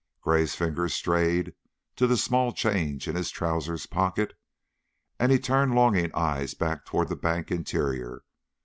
Gray's fingers strayed to the small change in his trousers pocket and he turned longing eyes back toward the bank interior.